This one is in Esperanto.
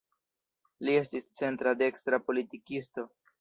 Li estis centra-dekstra politikisto.